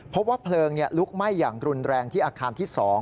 พบว่าเพลิงลุกไหม้อย่างรุนแรงที่อาคารที่๒